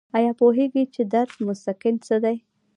ایا پوهیږئ چې درد مسکن څه دي؟